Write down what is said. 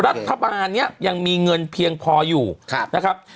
รัฐบาลนี้ยังมีเงินเพียงพออยู่นะครับ